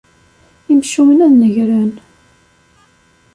Imcumen ad negren.